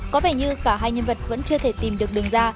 có vẻ như cả hai nhân vật vẫn chưa thể tìm được đường ra